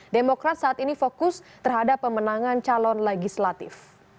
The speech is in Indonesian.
demokrat saat ini fokus terhadap pemenangan calon legislatif